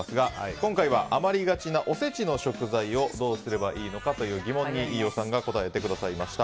今回は、余りがちなおせちの食材をどうすればいいのかという疑問に飯尾さんが答えてくださいました。